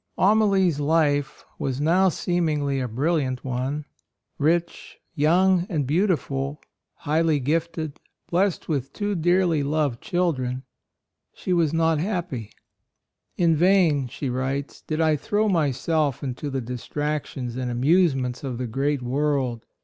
Amalie's life was now seem ingly a brilliant one. Rich, young and beautiful, highly gifted, blessed with two dearly loved children, she was not happy. "In vain," she writes, "did I throw myself into the distractions and amusements of the great world.